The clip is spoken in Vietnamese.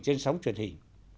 trên sóng truyền hình